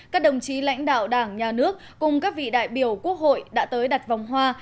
các đồng chí lãnh đạo đảng nhà nước cùng các vị đại biểu quốc hội đã tới đặt vòng hoa